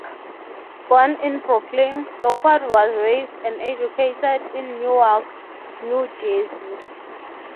Born in Brooklyn, Lockwood was raised and educated in Newark, New Jersey.